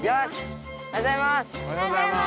おはようございます！